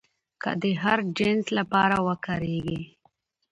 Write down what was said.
چې که د هر جنس لپاره وکارېږي